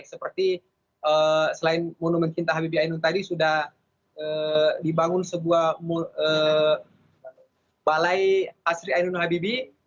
seperti selain monumen cinta habibie ainun tadi sudah dibangun sebuah balai asri ainun habibi